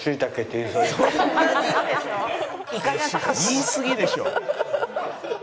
言いすぎでしょ。